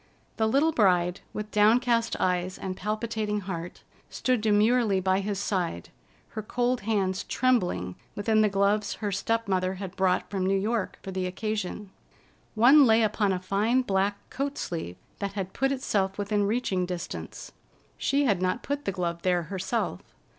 The little bride, with downcast eyes and palpitating heart, stood demurely by his side, her cold hands trembling within the gloves her step mother had brought from New York for the occasion. One lay upon a fine black coat sleeve that had put itself within reaching distance. She had not put the glove there herself.